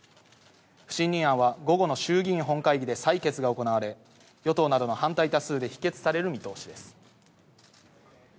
不信任案は午後の衆議院本会議で採決が行われ、与党などの反対多数で否決される見通しです。